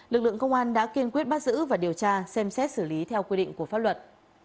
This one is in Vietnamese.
lực lượng công an đã kiên quyết bắt giữ và điều tra xem xét xử lý theo quy định của pháp luật